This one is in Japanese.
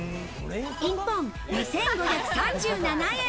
１本２５３７円。